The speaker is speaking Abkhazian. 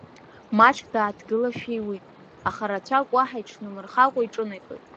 Маҷк дааҭгылашәа иуит, аха рацәак уаҳа иҽынмырхакәа иҿынеихеит.